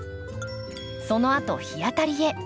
そのあと日当たりへ。